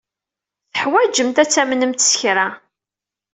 Teḥwajemt ad tamnemt s kra.